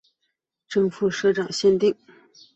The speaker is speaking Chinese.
正副社长限定